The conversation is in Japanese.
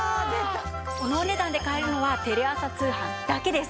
このお値段で買えるのはテレ朝通販だけです。